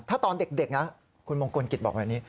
ถ้าตอนเด็กนะคุณมงคลกิจบอกแบบนี้